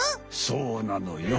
そうなのよ。